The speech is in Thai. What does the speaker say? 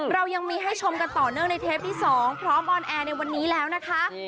เรายังมีให้ชมกันต่อเนื่องในเทปที่๒พร้อมออนแอร์ในวันนี้แล้วนะคะ